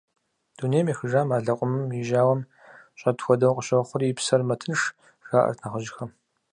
Дунейм ехыжам а лэкъумым и жьауэм щӀэт хуэдэу къыщохъури и псэр мэтынш, жаӀэрт нэхъыжьхэм.